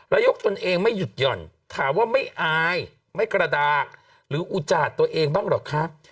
แล้วยกตนเองไม่หยุดหย่อนถามว่าไม่อายไม่กระดากหรืออุจาดตัวเองบ้างหรอกครับ